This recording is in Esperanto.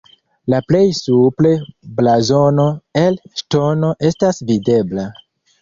La plej supre blazono el ŝtono estas videbla.